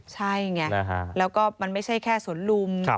ใช่ไงแล้วก็มันไม่ใช่แค่สวนลุม